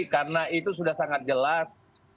karena itu sudah sangat jelas